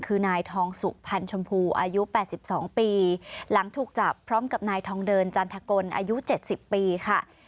คือนายทองสุพรรณชมพูอายุ๘๒ปีหลังถูกจับพร้อมกับนายทองเดินจันทกลอายุ๗๐ปีค่ะ